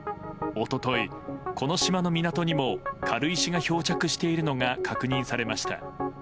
一昨日、この島の港にも軽石が漂着しているのが確認されました。